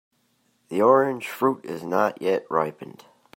The orange fruit is not yet ripened.